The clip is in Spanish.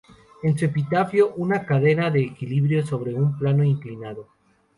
En su epitafio figura una cadena en equilibrio sobre un plano inclinado.